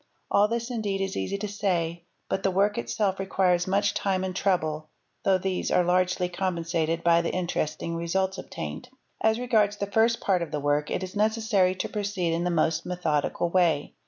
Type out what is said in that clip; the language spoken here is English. All this indeed is easy to say, but the work itself requires much time and trouble, though these are largely compensated by the interesting results obtained. As regards the first part of the work it is necessary to proceed in the most methodical way.